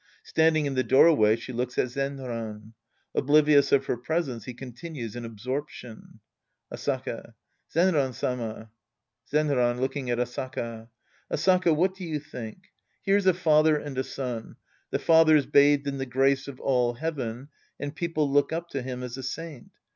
Standing in the doorway, she looks at Zenran. Oblivious of her presence, he continues in absorption^ Asaka. Zenran Sama. Zenran {looking at Asaka). Asaka, what do you think ? Here's a father and a son. The lather's bathed in the grace of all heaven, and people look up to him as a saint.